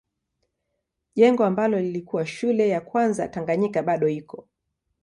Jengo ambalo lilikuwa shule ya kwanza Tanganyika bado iko.